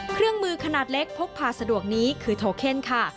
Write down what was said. เครื่องมือขนาดเล็กพกพาสะดวกนี้คือโทเคนค่ะ